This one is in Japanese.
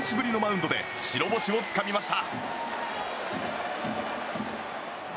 平良は７２７日ぶりのマウンドで白星をつかみました。